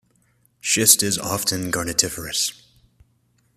Schist is often garnetiferous.